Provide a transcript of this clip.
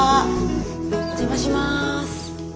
お邪魔します。